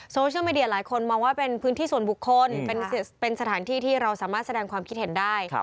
โซเชียลมีเดียหลายคนมองว่าเป็นพื้นที่ส่วนบุคคลเป็นสถานที่ที่เราสามารถแสดงความคิดเห็นได้